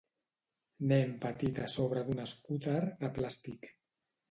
Nen petit a sobre d'un escúter de plàstic